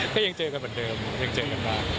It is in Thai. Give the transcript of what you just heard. ก็ยังเจอกันเหมือนเดิมยังเจอกันบ้าง